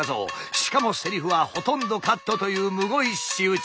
しかもセリフはほとんどカットというむごい仕打ち。